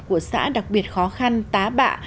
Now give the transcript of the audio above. của xã đặc biệt khó khăn tá bạ